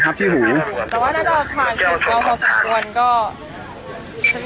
ขนไปหูนิดหน่อย